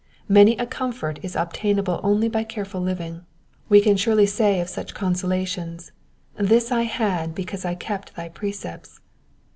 Many a comfort is obtainable only by careful living : we can surely say of such consolations, " This I had because I kept thy precepts."